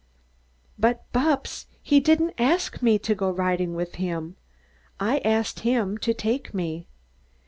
"But, Bupps, he didn't ask me to go riding with him. I asked him to take me."